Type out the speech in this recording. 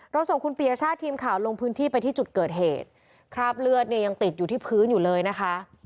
ส่งคุณปียชาติทีมข่าวลงพื้นที่ไปที่จุดเกิดเหตุคราบเลือดเนี่ยยังติดอยู่ที่พื้นอยู่เลยนะคะ